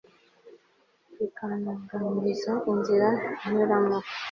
ikantunganyiriza inzira nyuramo